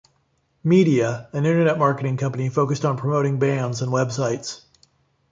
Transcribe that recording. Media, an Internet marketing company focused on promoting bands and Web sites.